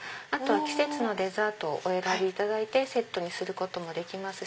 季節のデザート選んでいただいてセットにすることもできます。